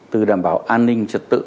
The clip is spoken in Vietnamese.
từ đảm bảo an ninh trật tự